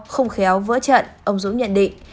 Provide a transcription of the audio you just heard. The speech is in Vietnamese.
không khéo vỡ trận ông dũng nhận định